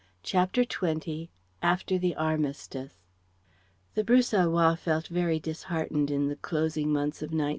CHAPTER XX AFTER THE ARMISTICE The Bruxellois felt very disheartened in the closing months of 1917.